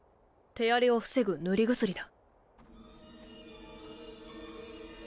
手荒れを防ぐ塗り薬だ。